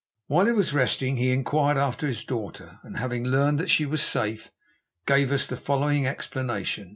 While he was resting he inquired after his daughter, and having learned that she was safe, gave us the following explanation.